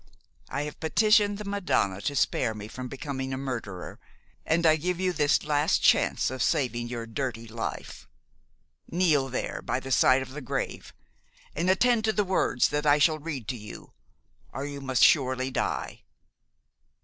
I have petitioned the Madonna to spare me from becoming a murderer, and I give you this last chance of saving your dirty life. Kneel there, by the side of the grave, and attend to the words that I shall read to you, or you must surely die!